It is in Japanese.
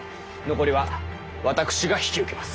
残りは私が引き受けます。